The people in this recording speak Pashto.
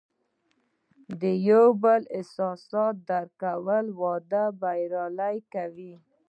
د یو بل احساسات درک کول، واده بریالی کوي.